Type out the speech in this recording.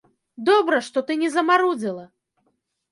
Добра, што ты не замарудзіла!